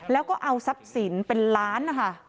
แล้วก็เอาทรัพย์สินเป็นล้านนะคะ